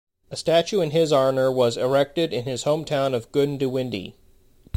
A statue in his honour was erected in his hometown of Goondiwindi.